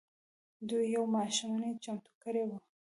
دوی يوه ماښامنۍ چمتو کړې وه.